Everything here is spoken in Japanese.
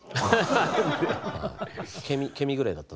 ケミぐらいだった。